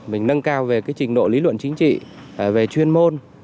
mình nâng cao về cái trình độ lý luận chính trị về chuyên môn